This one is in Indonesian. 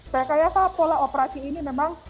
rekayasa pola operasi ini memang